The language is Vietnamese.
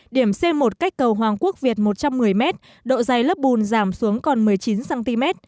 điểm c một cách cầu hoàng quốc việt một trăm một mươi m độ dày lớp bùn giảm xuống còn một mươi chín cm